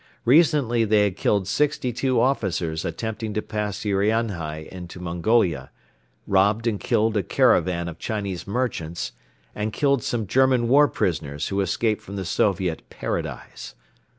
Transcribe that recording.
Recently they had killed sixty two officers attempting to pass Urianhai into Mongolia; robbed and killed a caravan of Chinese merchants; and killed some German war prisoners who escaped from the Soviet paradise.